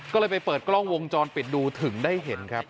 ก็เลยไปเปิดกล้องวงจรปิดดูถึงได้เห็นครับ